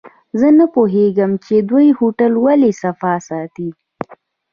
زه نه پوهیږم چي دوی هوټل ولي فعال ساتلی.